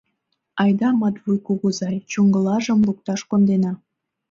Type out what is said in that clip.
— Айда Матвуй кугызай чуҥгылажым лукташ кондена.